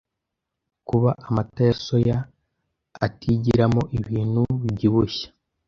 Kuba amata ya soya atigiramo ibintu bibyibushya,